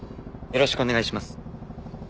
よろしくお願いします。